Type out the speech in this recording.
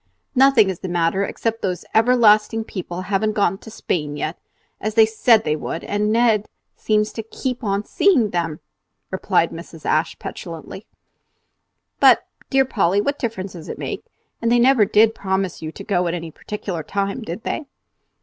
"Nothing is the matter except that those everlasting people haven't gone to Spain yet, as they said they would, and Ned seems to keep on seeing them," replied Mrs. Ashe, petulantly. "But, dear Polly, what difference does it make? And they never did promise you to go on any particular time, did they?"